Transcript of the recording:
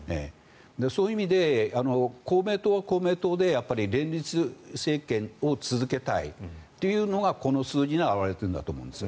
そういう意味で公明党は公明党で連立政権を続けたいというのがこの数字に表れているんだと思います。